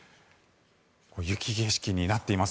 雪景色になっています。